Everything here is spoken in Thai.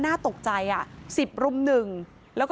ช่องบ้านต้องช่วยแจ้งเจ้าหน้าที่เพราะว่าโดนฟันแผลเวิกวะค่ะ